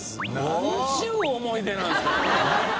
なんちゅう思い出なんですか？